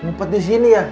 ngumpet di sini ya